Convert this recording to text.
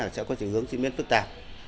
sẽ có tình hướng diễn biến phức tạp